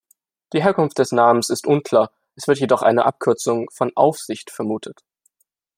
Die Herkunft des Namens ist unklar, es wird jedoch eine Abkürzung von „Aufsicht“ vermutet.